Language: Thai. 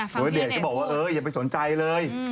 หรือเด็กก็บอกว่าอย่าไปสนใจเลย